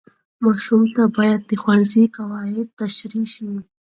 ماشوم ته باید د ښوونځي قواعد تشریح شي.